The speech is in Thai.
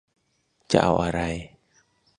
จะเอาอะไร